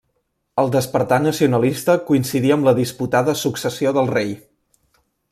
El despertar nacionalista coincidí amb la disputada successió del rei.